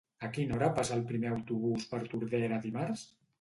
A quina hora passa el primer autobús per Tordera dimarts?